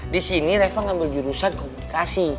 di sini reva ngambil jurusan komunikasi